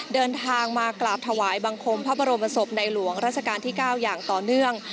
เดินทางมากราบถวายบังคมพระบรมศพในหลวงราชการที่๙อย่างต่อเนื่อง